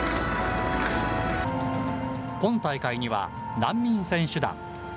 今大会には難民選手団。